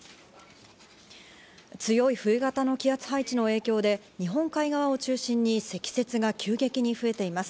強い冬型の気圧配置の影響で日本海側を中心に積雪が急激に増えています。